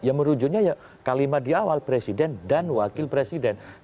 ya merujuknya ya kalimat di awal presiden dan wakil presiden